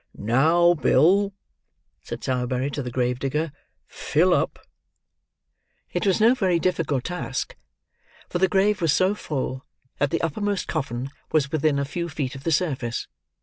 "Now, Bill!" said Sowerberry to the grave digger. "Fill up!" It was no very difficult task, for the grave was so full, that the uppermost coffin was within a few feet of the surface.